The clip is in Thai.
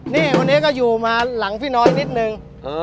นี่วันนี้ก็อยู่มาหลังพี่น้อยนิดนึง